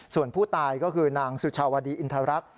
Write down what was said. ส่วนผู้ตายก็คือนางสุชาวดีอินทรรักษ